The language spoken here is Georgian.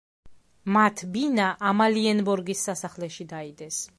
მათ ბინა ამალიენბორგის სასახლეში დაიდეს.